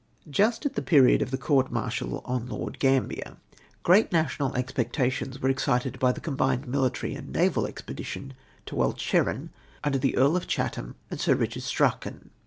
Just at the period of the court martial on Lord Gaiii bier, great national expectations were excited hj the combined mihtary and naval expedition to Walcheren, mider tlie Earl of Chatham and Sir Pdchard Strachan.